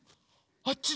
あっちだ！